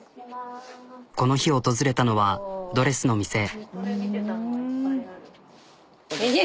この日訪れたのはドレスの店。